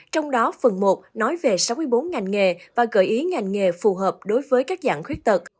trong đó phần một nói về sáu mươi bốn ngành nghề và gợi ý ngành nghề phù hợp đối với các dạng khuyết tật